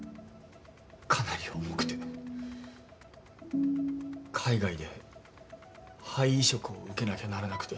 かなり重くて海外で肺移植を受けなきゃならなくて。